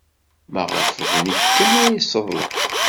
Maɣef d nekk kan ay yesseḍlam?